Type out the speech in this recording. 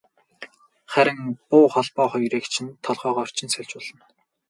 Харин буу холбоо хоёрыг чинь толгойгоор чинь сольж болно.